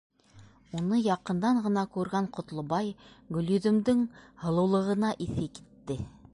Уны яҡындан ғына күргән Ҡотлобай Гөлйөҙөмдөң һылыулығына иҫе китте.